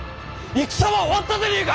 戦は終わったでねえか！